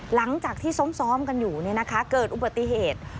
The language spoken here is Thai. หลังจากที่ซ้อมกันอยู่เกิดอุบัติเหตุ